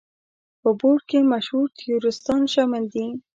په بورډ کې مشهور تیوریستان شامل دي.